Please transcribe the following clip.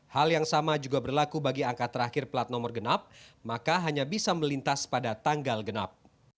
hal yang sama juga berlaku bagi angka terakhir plat nomor genap maka hanya bisa melintas pada tanggal genap